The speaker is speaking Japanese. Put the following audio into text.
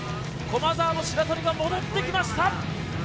駒澤の白鳥が戻ってきました。